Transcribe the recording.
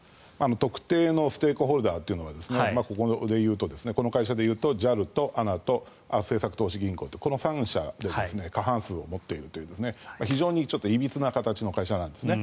特定のステークホルダーというのがこの会社でいうとＪＡＬとＡＮＡと政策投資銀行という、この３社で過半数を持っているという非常にいびつな形の会社なんですね。